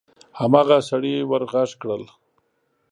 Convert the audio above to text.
هماغه سړي ور غږ کړل: